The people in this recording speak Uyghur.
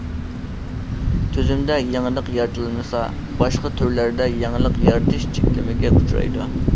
تۈزۈمدە يېڭىلىق يارىتىلمىسا، باشقا تۈرلەردە يېڭىلىق يارىتىش چەكلىمىگە ئۇچرايدۇ.